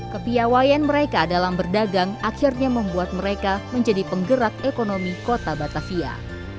kepiawayan mereka dalam berdagang akhirnya membuat mereka menjadi penggerak ekonomi kota batavia